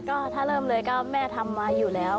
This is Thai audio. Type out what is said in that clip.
ก็ถ้าเริ่มเลยก็แม่ทำไว้อยู่แล้ว